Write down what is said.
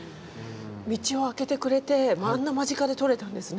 道をあけてくれてあんな間近で撮れたんですね。